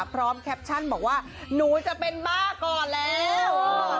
แคปชั่นบอกว่าหนูจะเป็นบ้าก่อนแล้ว